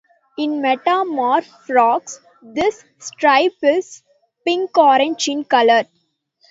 In metamorph frogs, this stripe is pink-orange in colour.